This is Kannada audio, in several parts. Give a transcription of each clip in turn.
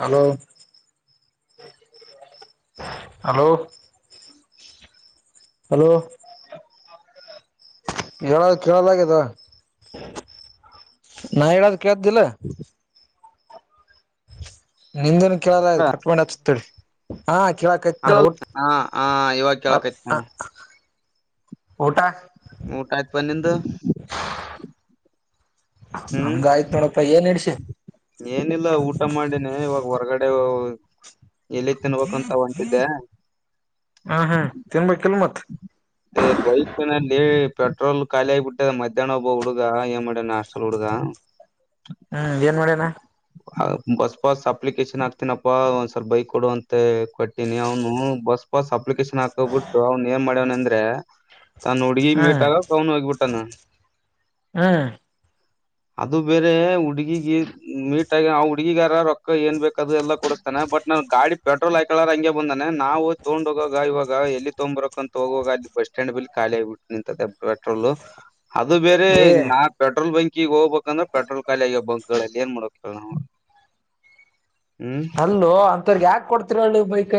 ಹಲೋ ಹಲೋ ಹಲೋ ಹೇಳ ಕೇಳಲಾಗದ ನಾ -ಹೇಳದು ಕೇಳ್ದಿಲ್ಲ ನಿಂದನ್ ಕೇಳದ ಆ ಹಾ ಕಟ್ ಮಾಡೊಂಡಿ ಹತ್ತತಿ. [unintelligible] ಹಾ -ಕೇಳಕತ್ ನ -ಊ- ಹಾ ಇವಾಗ ಕೇಳಕೈತ್ ಹ ನೋಡ ಊಟಾ ಊಟ ಆಯ್ತ್ ಪ ನಿಂದು ಹಂಗ ಆಯ್ತ್ ನೋಡಪ್ಪ ಏನ್ ಹಸಿ. ಏನಿಲ್ಲ ಊಟ ಮಾಡಿನಿ ಇವಾಗ ಹೊರಗಡೆ ಎಲ್ಲಿ ತಿನ್ಬೇಕಂತ ಹ್ಮ್ ಹೊಂಟಿದ್ದೆ -ಹ್ಮ್ -ತಿನ್ಬೇಕ ಕೆಲ್ ಮತ್. ಬಯತ ನಾನ ಹೇಳ. ಪೆಟ್ರೋಲ್ ಖಾಲಿ ಆಗಿಬಿಟ್ಟ ಮಧ್ಯಾಹ್ನ ಒಬ್ಬ ಹುಡುಗ ಏನ್ ಮಾಡಡ ನ ಹಾಸ್ಟೇಲ್ ಹುಡುಗ ಹ್ಮ್- ಏನ್ ಮಾಡ್ಯನಾ ಬಸ್ ಪಾಸ್ ಅಪ್ಲಿಕೇಶನ್ ಆಕ್ತನಪ್ಪಾ ಒಂದ್ಸವಲ್ಪ ಬೈಕ್ ಕೊಡುವ ಅಂತೆ ಕೊಟ್ಟೀನಿ ಅವನು ಬಸ್ ಪಾಸ್ಪ್ ಅಪ್ಲಿಕೇಶನ್ ಹಾಕೋಗ್ಬಿಟ್ಟು ಅವ್ನು ಏನ್ ಮಾಡ್ಯವನ ಅಂದ್ರೆ. ತಾನು ಹುಡಗಿ ಹ್ಮ್ ಮೇಟಗಾಕ ಕೌನು ಹಗಬುಟ್ಟಾನ ಹ್ಮ್ ಅದು ಬೇರೆ ಹುಡ್ಗಿಗ ಮೀಟ್ಗ ಹುಡ್ಗಿಗಾರ ರೊಕ್ ಏನ ಬೇಕಕ್ ಅದು ಎಲ್ಲ ಕೊಡಕ್ತಾನ ಬಟ್ ನನ್ ಗಾಡಿ ಪೆಟ್ರೋಲ್ ಹಾಕಳಾರ ಹಂಗೆ ಬಂದಾನೆ ನಾವು ತಗೊಂಡ ಹೋಗ ಇವಾಗ- ಎಲ್ಲಿ ತೊಂಬ್ರಕ್ಂತ ಹೋಗುವಾಗ ಅಲ್ಲಿ ಬಸ್ ಸ್ಟ್ಯಾಂಡ್ ಬಲಿ ಖಾಲಿ ಆಗಬಟ್ಟು ನಿಂತ ಪೆಟ್ರೋಲ್- ಅದು ಬೇರೆ ಏ ನಾ ಪೆಟ್ರೋಲ್ ಬಂಕ, ಈಗ್ ಹೋಗ್ಬೇಕಂದ್ರೆ ಪೆಟ್ರೋಲ್ ಖಾಲಿ ಆಗ್ಯ ಬಂಕ್ಗಳಲ್ಲಿ ಏನ್ ಮಾಡ ಕೇಳ ನಾವು. ಹ್ಮ್ ಅಲ್ಲು ಅಂತವರ್ಗ ಯಾಕ ಕೊಡ್ತೀರ -ನೀ -ಬೈಕ್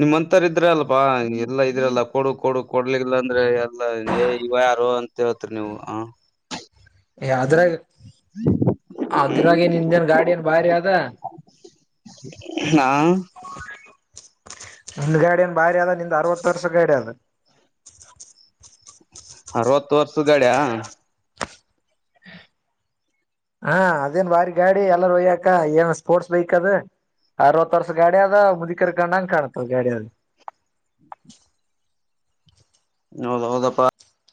ನಿಮ್ಮಂತರ ಇದ್ರ ಅಲ್ಪಾ ಎಲ್ಲಾ ಇದ್ರಲ್ಲ ಕೊಡು ಕೊಡು ಕೊಡ್ಲಿಲ್ಲ ಅಂದ್ರೆ ಎಲ್ಲ. ಯಾರು ಅಂತ ಹೇತ್ರಿ ನೀವು- ಹ ಅದ್ರಾಗ ಅದ್ರಾಗ ನ ಇಜನ ಗಾಡಿ ಏನ್ ಭಾರಿ ಅದ ಹಾ ನಿಂದ ಗಾಡ ಏನ ಭಾರಿ ಆದದ ನಿಂದ ಅರವತ್ತು ವರ್ಷ ಗಾಡಿ ಅದ. ಅರವತ್ತು ವರ್ಷದ ಗಾಡಿಯ ಹಾ ಅದೇನ ಬಾರಿ ಗಾಡಿ ಎಲ್ಲಾರ ಒಯ್ಯಕ ಏನ್ ಸ್ಪೋರ್ಟ್ಸ್ ಬೈಕ್ ಅದ ಅರವತ್ತು ವರ್ಷ ಗಾಡಿ ಆದ ಮುದಕರ ಕಣಂಗ ಕಾಣತದ ಗಾಡಿ ಆದ ಹೌದ ಹೌದಪ್ಪ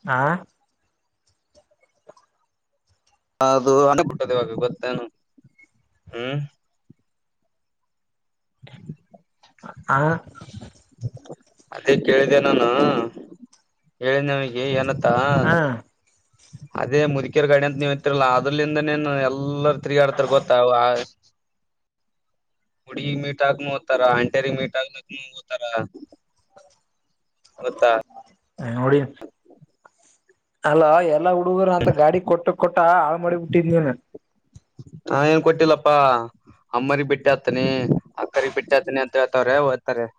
ಆ ಅದು ಅನ್ಬಟ್ಟದೆ ಇವಾಗ ಗೊತ್ತೇನು ಹ್ಮ್ ಆ ಅದೇ ಕೇಳಿದೆ ನಾನು ಹೇಳಿದೆ ನಮಗೆ ಏನ ಹಾ ಅದೇ ಮುದುಕಿಯರ ಗಾಡೆ ಅಂತ ನೀವ್ ಇತ್ತರ್ಲ್ಲಾ ಅದ್ರಲಿಂದನೇನು ಎಲ್ಲಾರ ತಿರುಗಾಡ್ತರ್ ಗೊತ್ತ [inaudible] ಹುಡಿಗಿ ಮೀಟ್ ಅಗಲಕಾನು ಹೋತರ ಅಂಟರಿ ಮೀಟ್ ಹಾಲಕ್ ನತಾರ [inaudible] ಗೋತ್ತ ಹ ನೋಡಿ ಅಲ್ಲ ಎಲ್ಲಾ ಹುಡುಗರು ಅಂತ ಗಾಡಿ ಕೊಟ್ಟ ಕೊಟ್ಟ ಹಾಳು ಮಾಡಿ ಬಿಟ್ಟಿದ್ನನ್ ಹಾ ಏನ್ ಕೊಟ್ಟಿಲ್ಲಪ್ಪಾ ಅಮ್ಮ ಬಿಟ್ಟ ಹತನಿ ಅಕ್ಕರ್ ಬಿಟ್ಟ ಹತನಿ ಅಂತ ರವ ಅತಾರೆ [inaudible]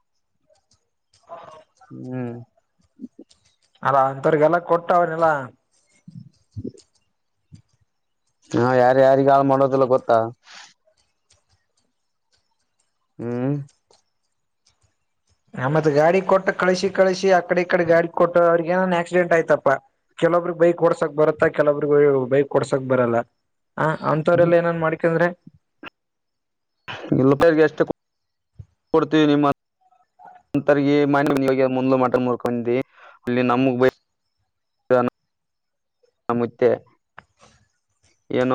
ಹೌ [inaudible] ಹ್ಮ್ ಅಲ್ಲ ಅಂಂತವ್ರಿಗೆಲ್ಲ ಕೊಟ್ಟ ಅವನಲ್ಲಾ ಹಾ ಯಾರ ಯಾರಿಗ ಹಾಳು ಮಾಡೋದಿಲ್ಲ ಗೊತ್ತಾ ಹ್ಮ್ ನಮ್ಮತ್ ಗಾಡಿ ಕೊಟ್ಟ ಕಳಸಿ ಕಳಸಿ ಆಕಡೆ ಈ ಕಡೆ ಗಾಡಿ ಕೊಟ್ಟ ಅವ್ರಗ ಏನನ್ ಆಕ್ಸಿಡೆಂಟ್ ಆಯ್ತಾ ಕೆಲೊಬ್ರಗ್ ಬೈಕ್ ಓಡ್ಸಕ್ ಬರತ್ತ ಕೆಲೊಬ್ರಿಗೆ ಬೈಕ್ ಡ್ಸಕ್ ಬರಲ್ಲ ಹ ಅಂತವ್ರಲ್ಲ ಏನನ್ ಮಾಡಕಂದ್ರೆ ಗಲ್ಲ ಪೈರಿಗೆ ಅಷ್ಟೇ ಕೊಡ್ತೀವಿ ನಿಮ್ಮ [unintelligible] ಒಂತರ್ಗ ಮ ಮೊಲು ಮಟ ಮೂರ್ಕೊಂಡಿ ಅಲ್ಲಿ ನಮಗ್ ಬ ಆ ಮುತ್ತೆ ಏನೂ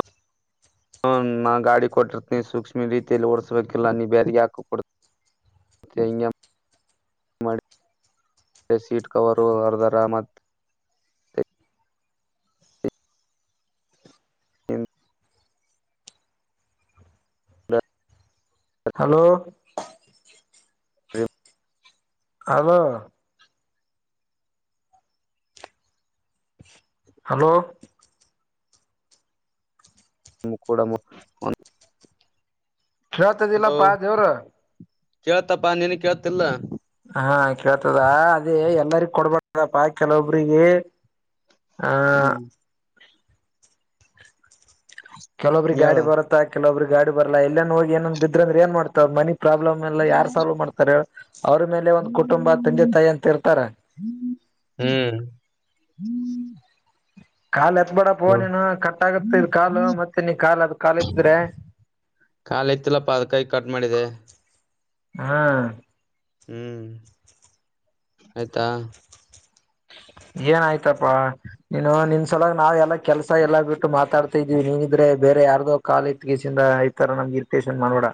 ಹ ನಾ ಗಾಡಿ ಕೊಟ್ಟಿರ್ತನಿ ಸೂಕ್ಷ್ಮ ರೀತಿಯಲ್ಲಿ ಓಡಸ್ಬೇಕಿಲ್ಲ ನೀ ಬೇಾರಿ ಯಾಕ ಕೊಡ್ತಿ ಮತ್ತೆ ಅಯ ಮಾಡಿ [inaudible] ಅದೆ ಸೀಟ್ ಕವರು ಹರ್ದರ್ ಮತ್ತೆ ಮತ್ತೆ ಹಲೋ [inaudible] ಹಲೋ ಹ ಹಲೋ ನೀ ಕೂಡ [unintelligible] ಹಲೋ ಕಳ್ತದಿಲ್ಲಪ್ಪ ದೇವರ ಕೇಳ್ತಪ್ಪಾ ನೀನ ಕೇಳ್ತಿಲ್ಲ ಹಾ ಪಾ ಕೆಲೊಬ್ರರಿಗೆ ಆ ಹ್ಮ್ ಕೆಲೊಬ್ರಿಗೆ ಗಾಡಿ ಹೇಳು ಬರತ್ತಾ ಕೆಲವೊಬ್ರ ಗಾಡಿ ಬರ್ಲ್ಲ ಎಲ್ಲಂದನ್ ಹೋಗಿ ಏನಂದ ಬಿದ್ರಂದ್ರೆ ಏನ್ ಮಾಡ್ತಾವ ಮನಿ ಪ್ರಾಬ್ಲಮ್ ಎಲ್ಲ ಯಾರ್ ಸಾಲ್ವ್ ಮಾಡ್ತಾರೆ ಹೇಳು ಅವ್ರ ಮೇಲೆ ಒಂದ್ ಕುಟುಂಬ ತಂದೆ ತಾಯಿ ಅಂತ ಇರ್ತಾರ ಹ್ಮ್ [inaudible] ಹ್ಮ [inaudible] ಕಾ ಎತ್ಬೇಡಪ್ಪ ಹ ನೀನು ಕಟ್ಟಟ್ಗತ್ತ ಇದ್ ಕಾಲು ಮತ್ತೆ ನೀ ಕಾಲ್ ಅದ ಕಾಲ್ ಏತ್ತೆದರೆ ಕಾಲ ಇತ್ತಲ್ಲ ಪಾದ ಕಾಯಿ ಕಟ್ ಮಾಡಿದೆ ಹಾ ಹ್ಮ್ ಆಯ್ತಾ [inaudible] ಏನ್ ಆಯ್ತಪ್ಪಾ ನೀನು ನಿನ್ಸಲ ನಾವ್ ಎಲ್ಲಾ ಕೆಲ್ಸ ಎಲ್ಲಾ ಬಿಟ್ಟು ಮಾತಾಡ್ತಾ ಇದಿದೀವಿ ನೀನಿದ್ರೆ ಬೇ ಬೇರೆ ಯಾರ್ದೋ ಕಾಲ್ ಇತ್ಗಸಿಂದ ಇತಾರ ನಮ್ಗೆ ಇರಿಟೇಷನ್ ಮಾಡಬೇಡ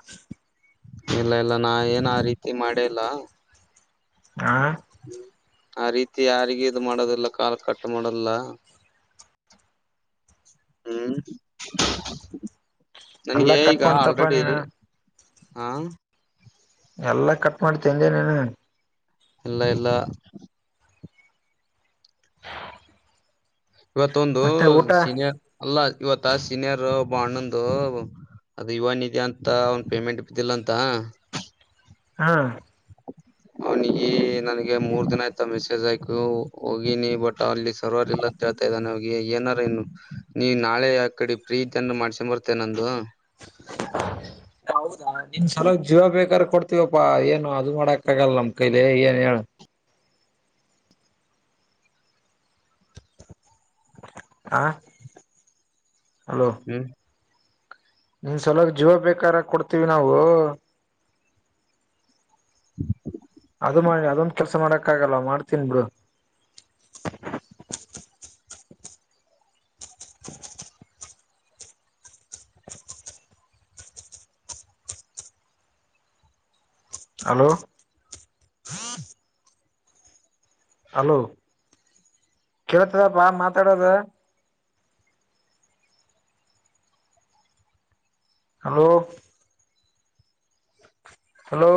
ಇಲ್ಲ ಇಲ್ಲ ನಾ ಏನ್ ಆ ರೀತಿ ಮಾಡೇಲ್ಲ ಹ ಆ ರೀತಿ ಯಾರಿಗೆ ಇದು ಮಾಡೋದಿಲ್ಲ ಕಾಲ್ ಕಟ್ ಮಾಡಲ್ಲ ಹ್ಮ್ ಎಲ್ಲಾ ನನ್ಗೆ ಈಗ ಕಟ್ ಮಾಡ್ತಪ್ಪಾ ಆಲ್ರೆಡಿ ನೀನು ಹಾ ಎಲ್ಲಾ ಕಟ್ ಮಾಡ್ತಂದನನು ಎಲ್ಲ ಎಲ್ಲ [inaudible] ಇವತ್ತೊಂದು ಮತ್ತೆ ಊಟ ಸೀನಿಯರ್ ಅಲ್ಲ ಇವತ್ತ ಸೀನಿಯರ್ ಓಬ ಅಣ್ಣಂದು ಅದ ಇವ ನಿದ್ದಿ ಅಂತ ಅವನ್ ಪೇಮೆಂಟ್ ಬಿದ್ದಿಲ್ಲ ಅಂತ ಹಾ ಅವನಿಗೆ ನನ್ಗೆ ಮೂರ್ ದಿನ ಆಯ್ತ ಮೆಸೇಜ್ ಆಯ್ತು ಹೋಗಿನಿ ಬಟ್ ಅಲ್ಲಿ ಸರ್ವರ್ ಇಲ್ಲಂತ ಹೇಳ್ತ ಗೆ ಏನಾರ ಇನ್ನು ನೀ ನಾಳೆ ಆ ಕಡೆ ಪ್ರೀತಿಯನ್ನ ಮಾಡ್ಸಂಬರ್ತೇ ನಂದು [inaudible] ಹೌದಾ ನಿನ್ ಸಲ ಜೀವ ಬೇಕಾದಾರ ಕೊಡ್ತೀವಪ್ಪಾ ಏನು ಅದು ಮಾಡಕ್ ಆಗಲ್ಲ ನಮ್ ಕೈಲಿ ಏನ್ ಹೇಳ ಹಾ ಹಲೋ ಹ್ಮ್ ನಿನ್ ಸಲ ಜೀವ ಬೇಕಾರ ಕೊಡ್ತೀವಿ ನಾವು ಹ್ಮ [inaudible] ಅದು ಮಾಡಿ ಅದೊಂದು ಕೆಲಸ ಮಾಡಕ್ ಆಗಲ್ ಮಾಡ್ತೀನ್ ಬಿಡು [inaudible] ಹಲೋ ಹಲೋ ಕೇಳತದಪ್ಪಾ ಮಾತಾಡೋದ ಹಲೋ ಹಲೋ